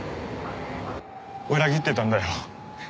裏切ってたんだよ。